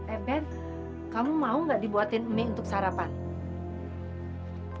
eh ben kamu mau gak dibuatin mie untuk sarapan